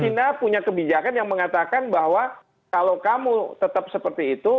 china punya kebijakan yang mengatakan bahwa kalau kamu tetap seperti itu